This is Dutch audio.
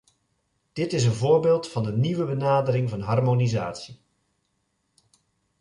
Dit is een voorbeeld van de nieuwe benadering van harmonisatie.